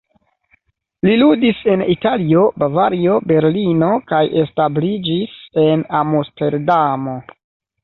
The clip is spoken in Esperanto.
Li ludis en Italio, Bavario, Berlino kaj establiĝis en Amsterdamo.